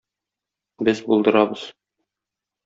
Без булдырабыз!